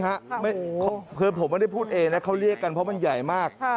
ก็จะพูดใจนะคือเค้าเรียกกันเพราะมันใหญ่มาก